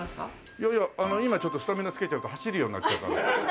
いやいや今ちょっとスタミナつけちゃうと走るようになっちゃうから。